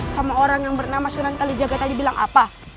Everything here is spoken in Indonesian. sama orang yang bernama sunan kalijaga tadi bilang apa